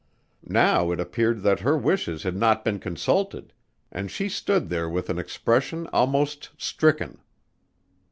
Now it appeared that her wishes had not been consulted, and she stood there with an expression almost stricken.